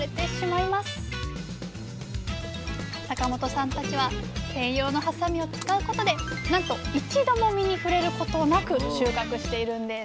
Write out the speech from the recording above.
坂本さんたちは専用のはさみを使うことでなんと一度も実に触れることなく収穫しているんです。